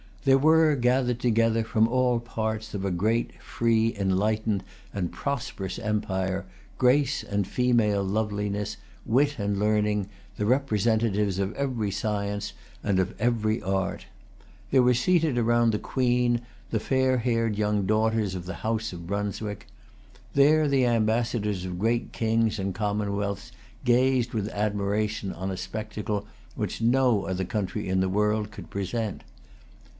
There were gathered together, from all parts of a great, free, enlightened, and prosperous empire, grace and female loveliness, wit and learning, the representatives of every science and of every[Pg 224] art. There were seated round the Queen the fair haired young daughters of the House of Brunswick. There the Ambassadors of great Kings and Commonwealths gazed with admiration on a spectacle which no other country in the world could present.